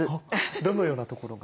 どのようなところが？